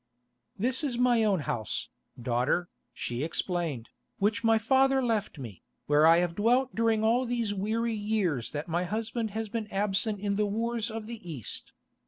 "This is my own house, daughter," she explained, "which my father left me, where I have dwelt during all these weary years that my husband has been absent in the wars of the East.